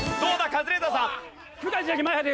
カズレーザーさん。